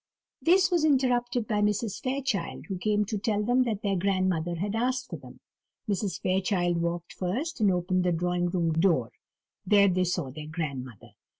They were interrupted by Mrs. Fairchild, who came to tell them that their grandmother had asked for them. Mrs. Fairchild walked first, and opened the drawing room door; there they saw their grandmother.